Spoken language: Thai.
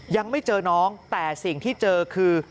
ยังไม่เจอน้องแต่สิ่งที่เจอคือ